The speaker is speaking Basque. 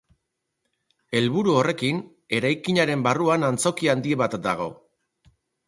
Helburu horrekin eraikinaren barruan antzoki handi bat dago.